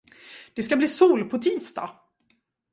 Det ska bli sol på tisdag!